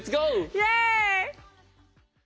イエイ。